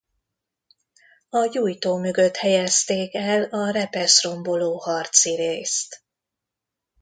A gyújtó mögött helyezték el a repesz-romboló harci részt.